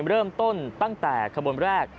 เริ่มต้นตั้งแต่ขบวนแรก